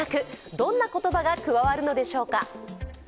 どんな言葉が加わるのでしょうか？